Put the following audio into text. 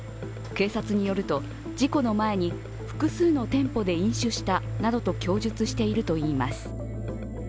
警察によると、事故の前に複数の店舗で飲酒したなどと供述しているといいます。